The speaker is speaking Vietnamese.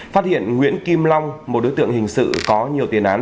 phát hiện nguyễn kim long một đối tượng hình sự có nhiều tiền án